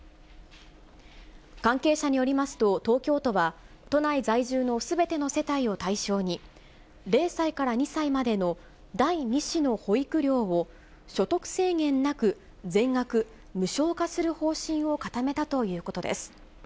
関係者によりますと、東京都は、都内在住のすべての世帯を対象に、０歳から２歳までの第２子の保育料を所得制限なく、全額無償化する方針を固めたということです。